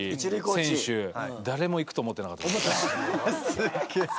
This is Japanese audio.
すげえ。